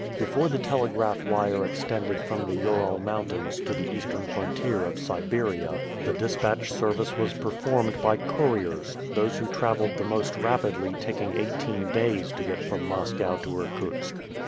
Before the telegraph wire extended from the Ural Mountains to the eastern frontier of Siberia, the dispatch service was performed by couriers, those who traveled the most rapidly taking eighteen days to get from Moscow to Irkutsk.